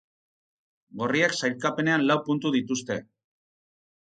Gorriek sailkapenean lau puntu dituzte.